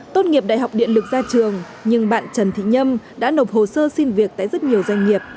tốt nghiệp đại học điện lực ra trường nhưng bạn trần thị nhâm đã nộp hồ sơ xin việc tại rất nhiều doanh nghiệp